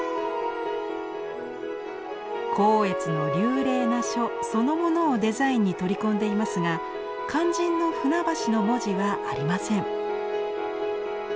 光悦の流麗な書そのものをデザインに取り込んでいますが肝心の「舟橋」の文字はありません。